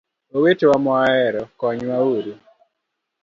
Owetewa ma wahero konywa uru.